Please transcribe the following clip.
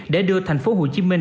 để đưa thành phố hồ chí minh